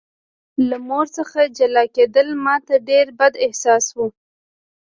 له مور څخه جلا کېدل ماته ډېر بد احساس و